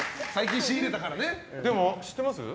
でも、知ってます？